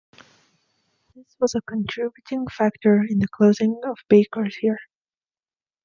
This was a contributing factor in the closing of bakers here.